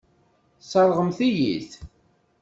Tesseṛɣemt-iyi-t.